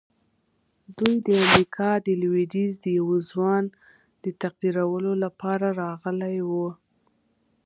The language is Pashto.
دوی د امریکا د لويديځ د یوه ځوان د تقدیرولو لپاره راغلي وو